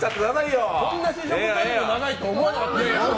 こんな試食タイム長いと思わなかった。